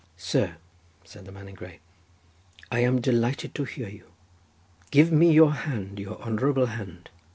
"Sir," said the man in grey, "I am delighted to hear you. Give me your hand, your honourable hand.